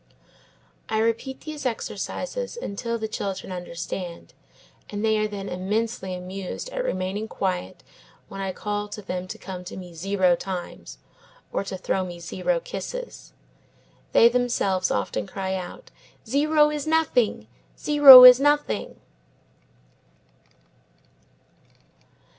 I repeat these exercises until the children understand, and they are then immensely amused at remaining quiet when I call to them to come to me zero times, or to throw me zero kisses. They themselves often cry out, "Zero is nothing! Zero is nothing!"